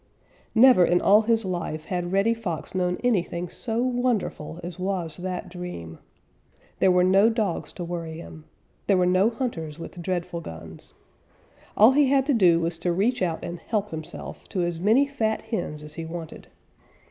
Never in all his life had Reddy Fox known anything so wonderful as was that dream. There were no dogs to worry him. There were no hunters with dreadful guns. All he had to do was to reach out and help himself to as many fat hens as he wanted.